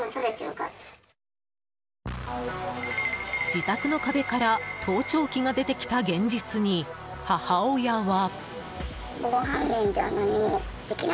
自宅の壁から盗聴器が出てきた現実に母親は。